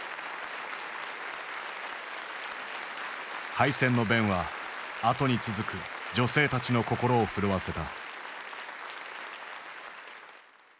敗戦の弁は後に続く女性たちの心を震わせた。